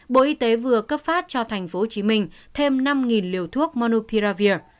bộ y tế vừa cấp phát cho thành phố hồ chí minh thêm năm liều thuốc monopiravir